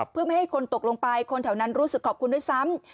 เพื่อไม่ให้คนตกลงไปคนแถวนั้นรู้สึกขอบคุณด้วยซ้ำ